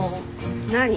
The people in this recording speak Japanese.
何？